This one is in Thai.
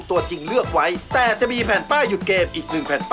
คุณประตูงเข้ารอบเลยนะครับ